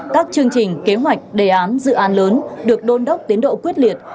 các chương trình kế hoạch đề án dự án lớn được đôn đốc tiến độ quyết liệt